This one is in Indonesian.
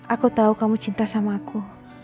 aku tahu kamu cinta sama aku